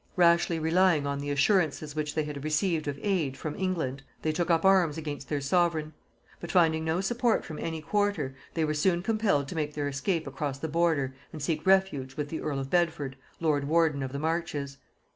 Rashly relying on the assurances which they had received of aid from England, they took up arms against their sovereign; but finding no support from any quarter, they were soon compelled to make their escape across the border and seek refuge with the earl of Bedford, lord warden of the marches.